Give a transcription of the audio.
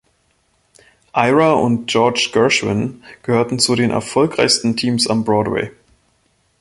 Ira und George Gershwin gehörten zu den erfolgreichsten Teams am Broadway.